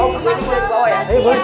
oh aku ini boleh bawa ya